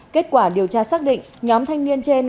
kết quả điều tra xác định nhóm thanh niên trên